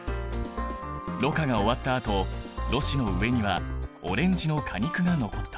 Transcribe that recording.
ろ過が終わったあとろ紙の上にはオレンジの果肉が残った。